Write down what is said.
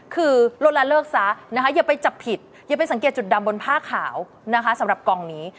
คือลดละเลิกซะนะคะอย่าไปจับผิดอย่าไปสังเกตจุดดำบนผ้าขาวนะคะสำหรับกองนี้